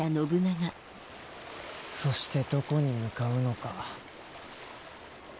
そしてどこに向かうのか。